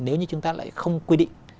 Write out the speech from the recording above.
nếu như chúng ta lại không quy định